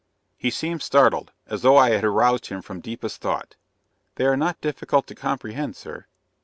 He seemed startled, as though I had aroused him from deepest thought. "They are not difficult to comprehend, sir.